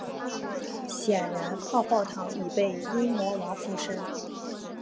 显然泡泡糖已被阴魔王附身。